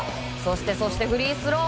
そしてフリースロー